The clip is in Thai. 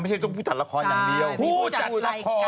ไม่ใช่ก็ผู้จัดละครอย่างเดียวผู้จัดละคร